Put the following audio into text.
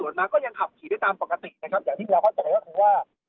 มาก็ยังขับขี่ได้ตามปกตินะครับอย่างที่เราเข้าใจก็คือว่า